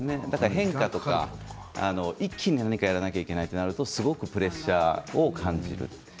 変化とか一気にやらなければならないとなるとすごくプレッシャーを感じる。